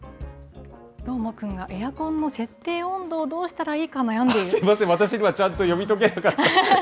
どーもくんがエアコンの設定温度をどうしたらいいか、悩んですみません、私にはちゃんと読み解けなかった。